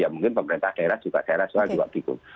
mungkin pemerintah daerah juga bingung